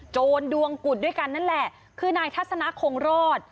โจรดวงกุฎด้วยกันนั่นแหละคือนายทัศนะคงรอด